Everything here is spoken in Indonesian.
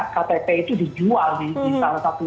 ktp itu dijual di salah satu